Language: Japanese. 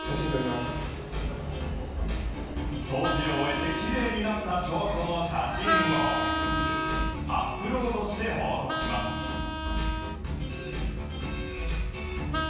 掃除を終えてきれいになった証拠の写真をアップロードして報告します。